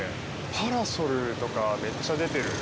パラソルとかめっちゃ出てる。